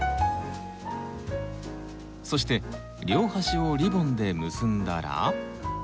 そして両端をリボンで結んだら。